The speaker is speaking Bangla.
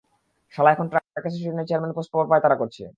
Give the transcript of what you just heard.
শালা এখন ট্রাক অ্যাসোসিয়েশনের চেয়ারম্যান পোস্ট পাওয়ার পায়তারা করছে।